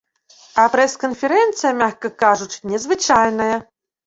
А прэс-канферэнцыя, мякка кажучы, незвычайная.